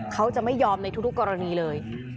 เขาจะไม่ยอมในทุกกรณีเลย